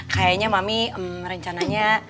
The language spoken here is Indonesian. kayaknya mami rencananya